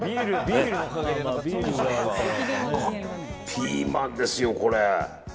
ピーマンですよ、これ。